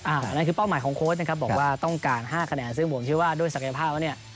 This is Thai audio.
อันนั้นคือเป้าหมายของโค้ชนะครับบอกว่าต้องการ๕คะแนนซึ่งผมเชื่อว่าด้วยศักยภาพแล้วเนี่ย